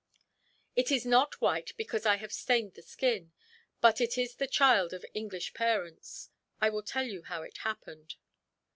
"It is not white, because I have stained the skin; but it is the child of English parents. I will tell you how it happened."